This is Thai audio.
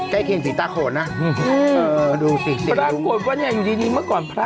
ใกล้เคียงสีตาโขนนะดูสิปรากฏว่าเนี่ยอยู่ดีเมื่อก่อนพระ